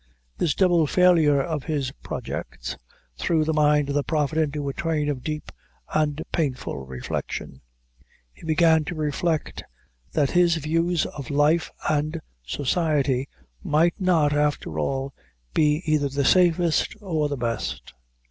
This double failure of his projects, threw the mind of the Prophet into a train of deep and painful reflection. He began to reflect that his views of life and society might not, after all, be either the safest or the best.